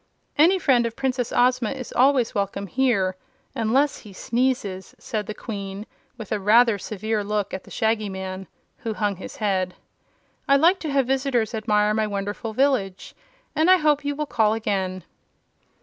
"Any friend of Princess Ozma is always welcome here unless he sneezes," said the Queen with a rather severe look at the Shaggy Man, who hung his head. "I like to have visitors admire my wonderful village, and I hope you will call again."